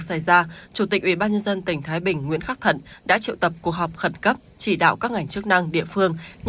hãy đăng ký kênh để ủng hộ kênh của chúng mình nhé